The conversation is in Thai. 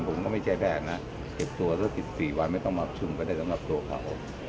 ผมก็ไม่ใช่แบบเก็บตัว๑๔วันไม่ต้องมาชุมไปได้สำหรับตัวเขา